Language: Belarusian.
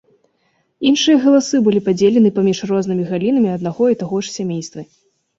Іншыя галасы былі падзелены паміж рознымі галінамі аднаго і таго ж сямействы.